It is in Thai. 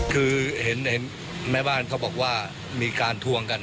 คือเห็นแม่บ้านเขาบอกว่ามีการทวงกัน